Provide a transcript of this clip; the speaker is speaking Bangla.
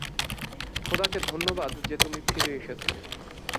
খোদাকে ধন্যবাদ যে তুমি ফিরে এসেছ।